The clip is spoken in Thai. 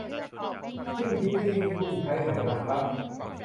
ยิ่งคิดก็ยิ่งกลุ้มใช่ไหมล่ะคะ